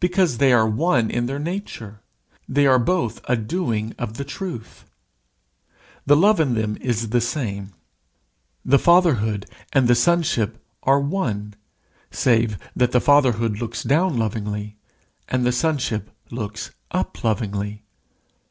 Because they are one in their nature; they are both a doing of the truth. The love in them is the same. The Fatherhood and the Sonship are one, save that the Fatherhood looks down lovingly, and the Sonship looks up lovingly.